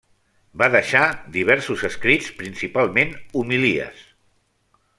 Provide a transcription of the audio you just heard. Va deixar diversos escrits principalment homilies.